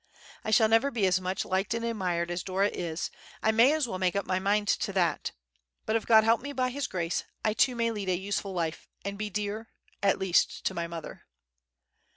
I shall never be as much liked and admired as Dora is—I may as well make up my mind to that; but if God help me by His grace, I too may lead a useful life, and be dear—at least to my mother."